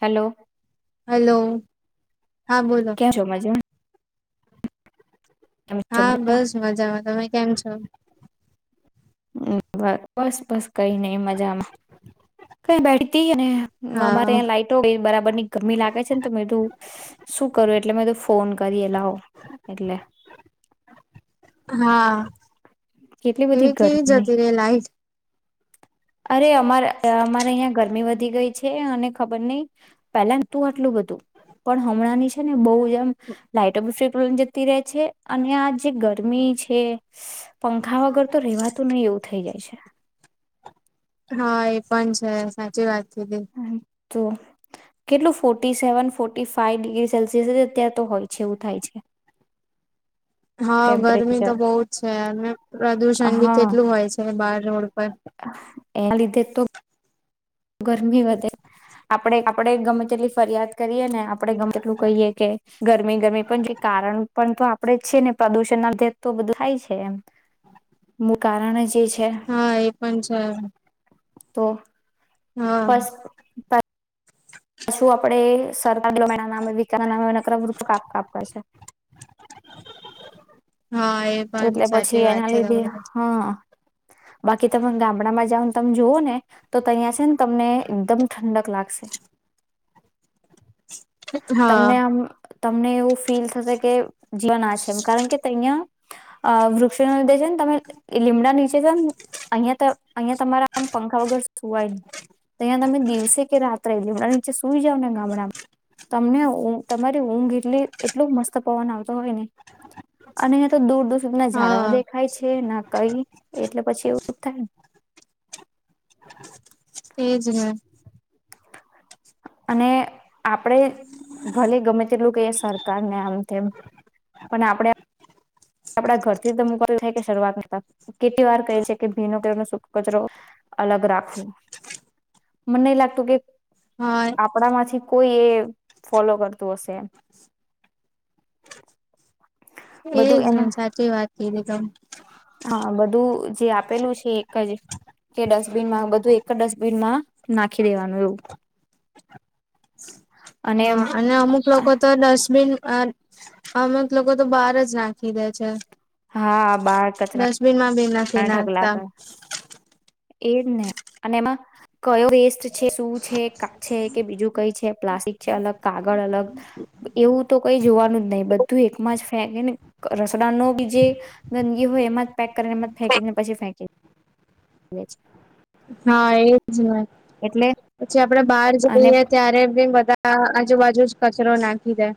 Hello hello હા બોલો કેમ છો મજામાં કેમ છો હા બસ મજામાં તમે કેમ છો હુ હ બસ-બસ. કઈ નઈ મજામાં કઈ બેઠતી ને હા અમારે અયા લાઈટો બરાબર ની ગમી લાગે છે ને તો કીધું શું કરું એટલે મે ફોન કરી લાવ એટલે હા કેટલી બધી એવી કેવી ગરમી જતી રે લાઈટ અરે અમારે અહીંયા અમારે અહીંયા ગરમી વધ વધી ગઈ છે અને ખબર નહિ પેલા નતું આટલું બધું પણ હમણાં ની છે ને બહુ એમ લાઈટ ફટ લઈને જતી રહે છે અને આ જે ગરમી છે સી પંખા વગર તો રહેવાતું નહી એવું થઇ જાય છે. [inaudible] હા એ પણ છે સાચી વાત છે તે તો કેટલું forty seven forty five degree Celsius અત્યારે તો હોય છે એવું થાય છે. હા ગરમી તો ટેમ્પરેચર બહુ જ છે અને પ્રદુષણ બી હા કેટલું હોય છે બાર રોડ પર એના લીધે તો ગરમી વધે આપડે આપડે ગમે તેટલી ફરિયાદ કરીએ ને આપડે ગમે તેટલું કહીએ કે ગરમી ગરમી પણ જે કારણ પણ તો આપડે જ છે ને પ્રદુષણ ન ના તો બધું થાય છે એમ મુ કારણ જે હા, એ પણ છે. તો હા. પછું આપડે સરતા નામે વિકા નામેક વૃક્ષ કાપ આપવા છે. હા એ પણ એટલે સાચી પછી વાત એના છે લીધે તમારી હા બાકી તમે ગામડામાં જઓ તમે જુઓ ને તો તહીં છે ને તમને એકદમ ઠંડક લાગશે. હા. તમને આમ તમને એવું ફીલ થશે કે જીવન આ છે. કારણ કે તહીંયા અહ વૃક્ષો લીધે છે ને તમે લીમડા નીચે જ ને અહિયાં અહિયાંયા તમારા આમ પંખા વગર સુવાય ન અહીંયા તમે દિવસે કે રાત્રે લીમડા નીચે સુઈ જાવ ને ગામડામાં તમને તમારી ઊંઘ એટલી એટલું મસ્ત પવન આવતો હોય ને અને તો દૂર દૂ ના જાડવા હા દેખાય છે ના કઈ એટલે પછી એવું થાયને. એજ ને. અને આપડે ભલે ગમે તેટલું કે સરકારને આમ તેમ, પણ આપણેે આપડા ઘરથી ધ મુક થાય કે શરૂઆત કરતા, કેટલી વાર કહે છે કે ભીનો કે ન સુખ કચરો અલગ રાખવો, મને ન લાગતું કે હા આપણામાંથી કોઈ એ ફોલો કરતું હશે. [unintelligible] એ બધું જ એમાં સાચી વાત કીધી તમેં. હા બધું જે આપેલું છે એક જ, કે ડસ્ટબિનમાં બધું એક જ ડસ્ટબિનમાં નાખી દેવાનું એવું. હા અને અમુક લોકો તો ડસ્ટબિન આ અમક લોકો તો બહાર જ નાખી દે છે. હા બાળ કચરા ઢગલા ચનાતા. કર એજ ને, અને એમાં કયો વેસ્ટ છે શું છે કા છે કે બીજું કઈ છે પ્લાસ્ટિક છે અલગ કાગળ અલગ, એવું તો કઈ જોવાનું જ નહીિ બધું એકમાં જ ફેંકી ને રસડા ન બી જે, ગંદગી હોય એમાં જ પેક કરીને એમાં ફેંકીને પછી ફેંકી દે. હા એજ હોય, એટલે પછી આપડે બહાર અને જઈએ ત્યારે બી બધા આજુબાજુ જ કચરો નાખી દે.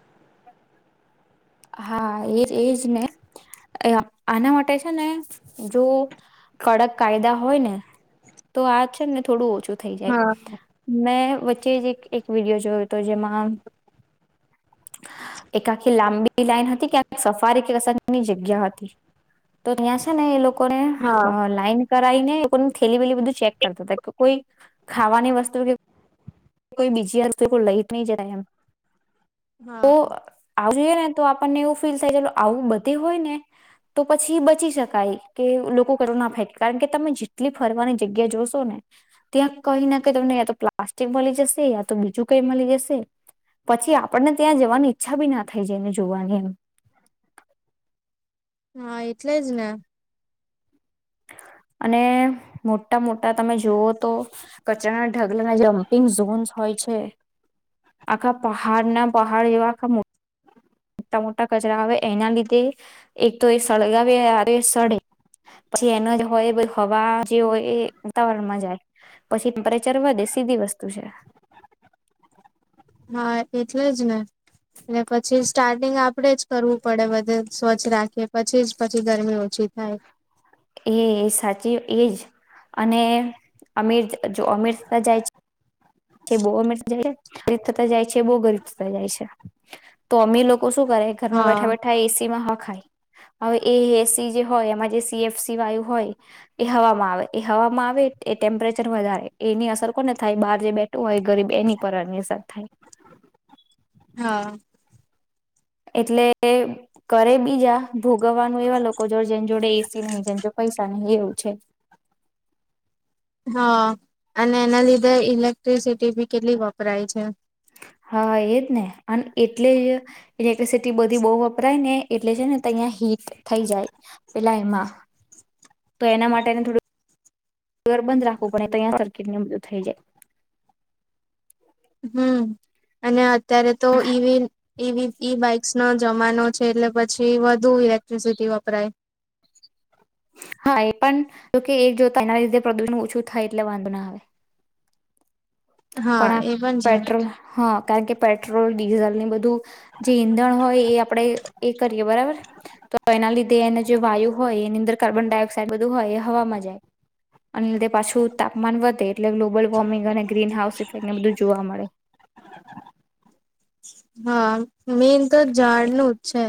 હા એજ એજ ને, આના માટે છે ને જો, કડક કાયદા હોય ને, તો આ છે ને થોડું ઓછું થ જાય, હા મે પી એક વિડીયો જોયો હતો જેમાં. એકાકી લ લાઈન હતી કે સફારી કે અસરની જગ્યા હતી તો ત્યાં છે ને એ લોક કોને હા અહ લાઈન કરાઈ ને એને થેલી વેલી બધું ચેક કરતા હતા કે કોઈ ખાવાની વસ્તુ કે કોઈ બીજી આ કો લઈ ની જાય એમ. હા. આ જોઈને તો આપણ ને એવું ફીલ થાય ચાલ આવું બધે હોય ને તો પછી એ બચી શકાય કે લોકો કરરોના ફેક કારણ કે તમે જેટલી ફરવાની જગ્યા જોશો ને ત્યાં કઈ નાને ક તમને તો પ્લાસ્ટિક વાડી જશે યા તો બીજું કઈ મળી જશે પછી આપણને ત્યાં જવાની ઈચ્છા બી ના થઈ જાયને જોવાની એમ. હા, એટલે જ ને. અને મોટા મોટા તમે જોઓ તો કચરાના ઢગલાના જમ્પિંગ ઝોન્સ હોય છે આખા પહાડના પહાડ એવા આખા મો ટા મોટા કચરા આવે એના લીધે એક તો એ સળગાવે સળે પછી એના હોય હવા જે હોય એ વાતાવરણમાં જાય પછી પ ચરવા દેશી બી વસ્તુ છે. હા એટલે જ ને એલે પછી સ્ટાર્ટિંગ આપડે જ કરવું પડે બધે સ્વચ્છ રાખીએ પછી જ પછી ગરમી ઓછી થાય. એ સાચી એજ અને અમીર જો અમરસાર જાય છે. છે બો અ મરસ જાય છે. ગરીબ થતા જાય છે બહુ ગરીબ થતા જાય છે, તો અમે લોકો શું કરે ઘરમાં બેઠા હા બેઠા એ સીમાં હવા ખાય હવે એ એસી જે હોય એમાં જે સી એફ સી વાયુ હોય એ હવામાં આવે એ હવામાં આવે એ ટેમ્પરેચર વધારે એની અસર કોને થાય બહાર જે બેઠ હોય ગરીબ એની પરારની અસર થાય. હા એટલે કરે બીજા ભોગવવાનું એવા લોકો જો જેમ જોડે એસી નહી જેમ જો પૈસા એવું છે. હા અને એના લીધે ઇલે ક્ટ્રિસિટી ભી કેટલી વપરાય છે. હા એજ ને અને એટલે જ કેપેસિટી બધી બહુ વપરાય ને. એટલે છે ને અહીં હીટ થઈ જાય પેલા એમાં. તો એના માટેને થોડું ઘર બંધ રાખવું પડે તંયા સર્કિટને બધું થઈ જાય. હમ, અને અત્યારે તો ઈવી ઈવી બાઇક પ્રૃ્ જમાનો છે. એટલે પછી વધુ ઇલેક્ટ્રિસિટી વપરાય. હા એ પણ, જોકે એક જોતા એના લીધે પ્રદુષણ ઓછું થાય એટલે વાંધો ના આવે. હા પણ આ એ છે પેટ્રોલ હા કારણ કે પેટ્રોલ ડીઝલની બધું, જે ઈંધણ હોય એ આપણે એ કરીએ બરાબર, તો એના લીધે એને જે વાયુ હોય એની અંદર કાર્બન ડાયોક્સાઇડ બધું હોય. હવામાં જાય આના લીધે પાછું તાપમાન વધે એટલે global warming green house effect ને બધું જોવા મળે. હા મેન તો ઝાડનું જ છે.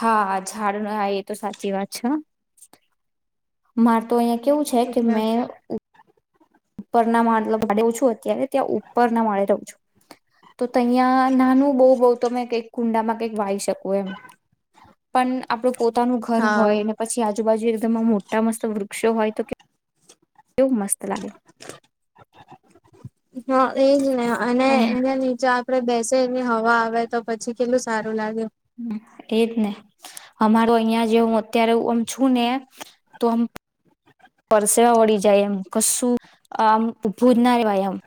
હા ઝાડના હ એ તો સાચી વાત છે હ માર તો અહીયાં કેવું છે કે એટલે મેં ઉપરના મા ઓછું અત્યારે ત્યાં ઉપરના માળે તો તહીંયા નાનું બઉ બઉ તમે કઈક કુંડામાં કઈક વાઈ શકો એમ. પણ આપણું પોતાનું ઘર હા હોય ને પછી આજુબાજુ તમા મોટા મસ્ત વૃક્ષો હોય તો કે વુ એવું મસ્ત લાગે. હા. એજ ને અને એને નીચે આ આપડે બેસે એની હવા આવે તો પછી કેટલું સારું લાગે. એજ ને અમારો અહિયાં જ જે હું અત્યારે હું આમ છું ને તો હંપ પરસેવા વળી જાય એમ કશું આમ ઊભું જ ના રહેેવાય આમ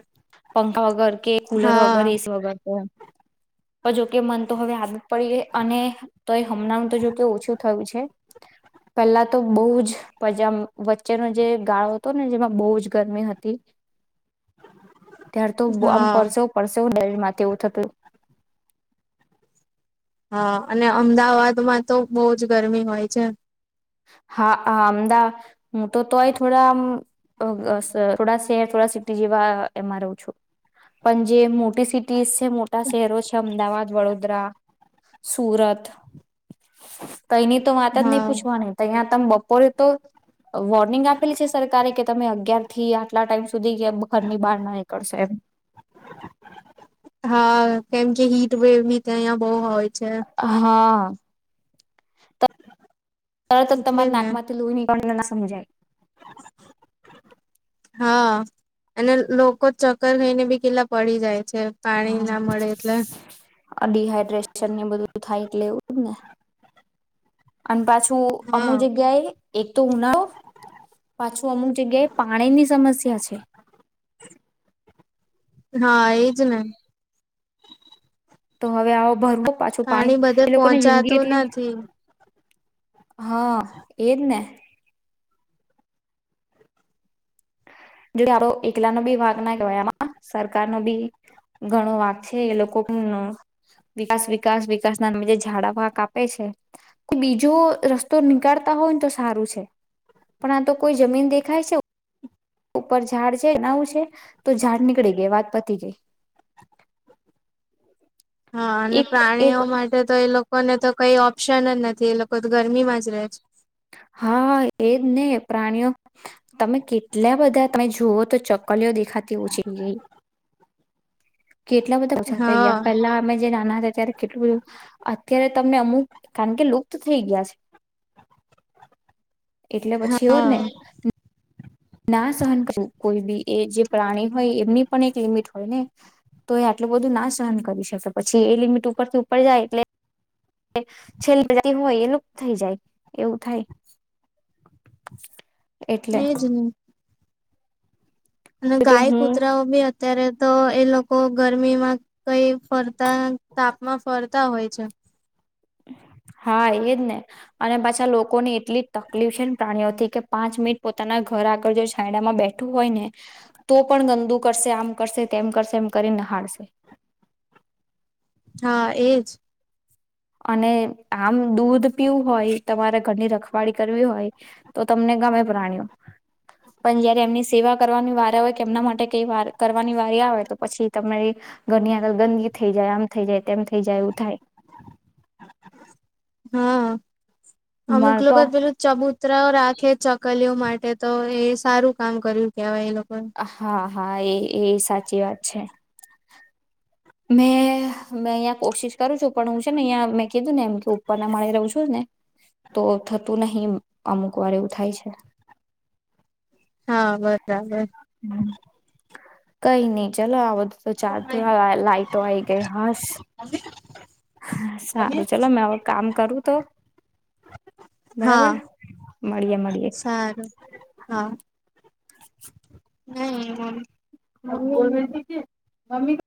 પંખા વગર. કે કુલર હા વગર એ સી વગર તો તો જોકે મને તો હવે આદત પડી ગઈ અને તોય હમણાંનુ તો જોકે ઓછું થયું છે પેલા તો બહુ જ પજામ વચ્ચેનો જે ગાળો હતો ને જેમાં બહુ જ ગરમી હતી ત્યાર તો આમ હા પરસેવો પરસેવો માથે [unintelligible] થ હા અને અમદાવાદમાં તો બોવ જ ગરમી હોય છે. હા હા અમદા હું તો તોય થોડા આમ અ આ થોડા શહેર થોડા સિટી જેવા એમાં રહું છું પણ જે મોટી સિટીસ છે મોટા શહેરો છે અમદાવાદ, વડોદરા, સુરત તઈની તો વાત જ નહીં હા પૂછવાની. ત્યાં તમ બપોરે તો વોર્નિંગ આપેલી છે સરકારે કે તમે અગિયાર થી આટલા ટાઈમ સુધી યે ઘરની બહાર ના નીકળશો એમ. હા કેમ કે હીટ વેવ ભી તયા બહુ હોય. છે હા. ત તરત જ એટલે તમાર ને નાકમાંથી લોહી ની તમને ના સમજાય. હા અને લોકો ચક્કર ખઈને બી કેટલા પડી જાય. છે પાણી ના મળે એટલે હા ડીહાઈડ્રેશન ને બધું થાય એટલે એવું જ ને. અને પાછું ઉ હા અમુક જગ્યાએ એક તો ઉનાળો પાછું અમુક જગ્યાએ પાણીની સમસ્યા છે. જ ને. તો હવે આવો ભરપૂ પાણી બધે પોહોંચાતું નથી. હા એજ ને. એ [unintelligible] પેલાનો બી વાંકના કવાય આમા. સરકાર નો બી ઘણો વાક છે એ લોકો વિકાસ વિકાસ વિકાસ નામી ઝાડવા કાપે છે, કો બીજો રસ્તો નીકળતા હોય ને તો સારું છે, પણ આ તો કોઈ જમીન દેખાય છે. ઉપર ઝાડ છે આવું છે તો ઝાડ નીકળી ગઈ વાત પતી ગઈ. હા અને એક એક પ્રાણીઓ માટે તો એ લોકોને તો કઈ ઓપ્શન જ નથી એ લોકો તો ગરમીમાં જ રહે છે. હા એજ ને પ્રાણીઓ તમે કે એટલા બધા તમે જુઓ તો ચક્કલીઓ દેખાતી ઓછી થઈ ગઈ. કેટલા બધા છે ઓછા થ હા ગયા પેલા અમે જે નાના હતા ત્યારે કેટલું બધું, અત્યારે તમને અમુક કારણ કે લુપ્ત થઈ ગયા છે. એટલે પછી એવું જ હા ને. ના સહન કરું કોઈ બી એ જે પ્રાણી હોય એમની પણ એક લિમિટ હોય ને, તો એ આટલું બધું ના સહન કરી શકે પછી એ લિમિટ ઉપરથી ઉપર જાય એટલે છેલ્લી બજા હોય એલું થઈ જાય એવું થાય. એટલે. એજ ને અને કે ગાય હું કુતરાઓ બી અત્યારે તો એ લોકો ગરમીમાં કઈ ફરતા તાપમાં ફરતા હોય છે. હા એજ ને, અને પાછા લોકોને એટલી તકલીફ છે ને પ્રાણીઓથી કે પાંચ મિનિટ પોતાના ઘર આગળ જો છાંડામાં બેઠું હોય ને, તો પણ ગંદુ કરશે આમ કરશે તેમ કરશે એમ કરી નહાળશે. હા એજ. અને આમ દૂધ પીવું હોય તમારે ઘરની રખવાળી કરવી હોય, તો તમને ગમે પ્રાણીઓ, પણ જયારે એમની સેવા કરવાની વાર હોય કે એમના માટે કઈ વાર કરવાની વારી આવે તો પછી તમારી ઘરની આગળ ગંદી થઈ જાય આમ થઈ જાય તેમ થઈ જાય એવું થાય. હા. અમુક મારે તો લોકો પેલો ચબૂતરા રાખે ચક કલીઓ માટે તો એ સારું કામ કર્યું કહેવાય એ લોકો. અ હા. હા એ એ સાચી વાત છે. મેં મેં અહિયાં કોશિશ કરું છું પણ હું છે ને અહં મેં કીધું ને એમ કે ઉપરના મળી રહું છું ને, તો થતું નહિ અમુક વાર એવું થાય છે. હા બરાબર. કઈ નહી ચાલો આવ તો ચાર થો લાઈઇટો આઈ ગઈ હસ. સારું ચલો મે હ કામ કરું તો. હા બરાબર મળીએે મળીએે સારું હા. નહીં મમ. મૈ બોલ રહી થી કે મમ્મી